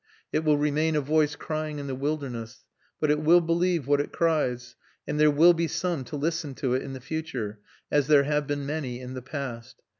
It will remain a voice crying in the wilderness; but it will believe what it cries, and there will be some to listen to it in the future, as there have been many in the past.